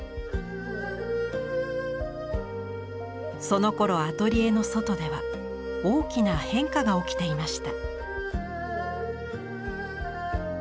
そのころアトリエの外では大きな変化が起きていました。